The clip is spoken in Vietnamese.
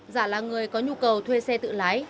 giả là người có nhu cầu thuê xe tự lái